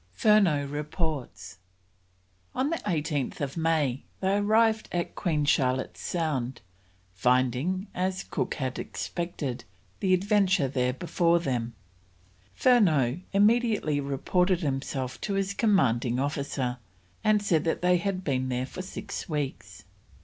FURNEAUX REPORTS. On 18th May they arrived in Queen Charlotte's Sound, finding, as Cook had expected, the Adventure there before them. Furneaux immediately reported himself to his commanding officer, and said they had been there for six weeks.